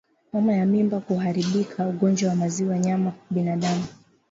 Homa ya Mimba kuharibika Ugonjwa wa Maziwa na Nyama kwa Binadamu